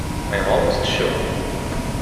I am almost sure.